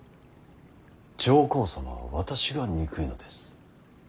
上皇様は私が憎いのです。